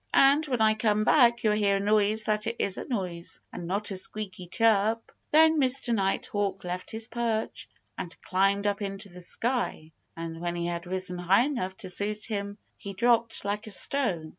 And when I come back you'll hear a noise that is a noise and not a squeaky chirp." Then Mr. Nighthawk left his perch and climbed up into the sky. And when he had risen high enough to suit him he dropped like a stone.